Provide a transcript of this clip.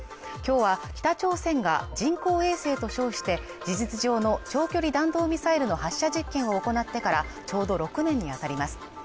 今日は北朝鮮が人工衛星と称して事実上の長距離弾道ミサイルの発射実験を行ってからちょうど６年にあたります